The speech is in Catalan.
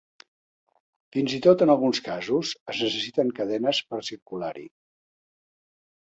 Fins i tot en alguns casos es necessiten cadenes per a circular-hi.